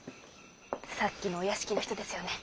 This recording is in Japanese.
さっきのお屋敷の人ですよね。